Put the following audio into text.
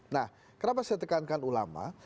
nah kenapa saya tekankan ulama